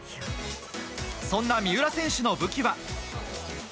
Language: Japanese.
そんな三浦選手の武器は。